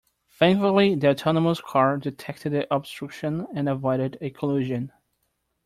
Thankfully the autonomous car detected the obstruction and avoided a collision.